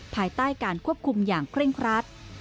ภายใต้การควบคุมอย่างเคร่งครัด